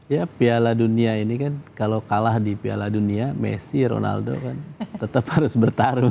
ya piala dunia ini kan kalau kalah di piala dunia messi ronaldo kan tetap harus bertarung